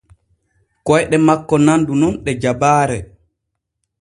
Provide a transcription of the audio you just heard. Koyɗe makko nandu nun ɗe jabaare.